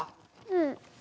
うん。